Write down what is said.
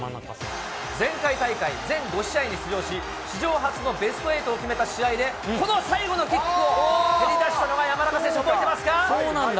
前回大会、全５試合に出場し、史上初のベスト８を決めた試合でこの最後のキックを蹴り出したのそうなんだ。